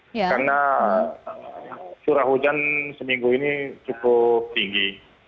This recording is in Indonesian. karena surah hujan seminggu ini cukup tinggi